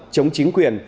chống chính quyền